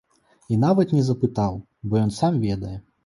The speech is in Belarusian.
І нават не запытаў, бо ён сам ведае.